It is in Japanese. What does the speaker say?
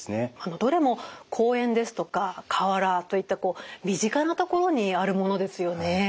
どれも公園ですとか河原といった身近な所にあるものですよね。